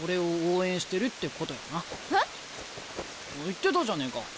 言ってたじゃねえか。